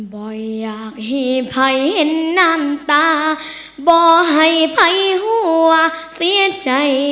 บ่อยอยากให้ภัยเห็นน้ำตาบ่ให้ภัยหัวเสียใจ